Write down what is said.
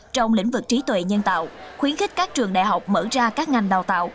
trong lĩnh vực trí tuệ nhân tạo khuyến khích các trường đại học mở ra các ngành đào tạo